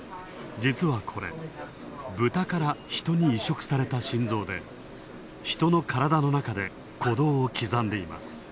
実はこれ、ブタからヒトに移植された心臓でヒトの体の中で鼓動を刻んでいます。